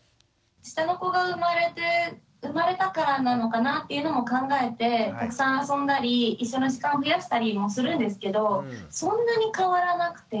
下の子が生まれたからなのかなっていうのも考えてたくさん遊んだり一緒の時間を増やしたりもするんですけどそんなに変わらなくて。